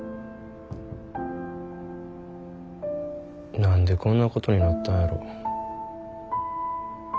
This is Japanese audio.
何でこんなことになったんやろ。